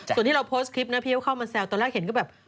ส่วนที่เราโพสต์คลิปนะพี่ก็เข้ามาแซวตอนแรกเห็นก็แบบ